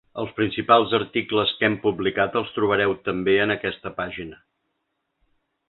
Els principals articles que hem publicat els trobareu també en aquesta pàgina.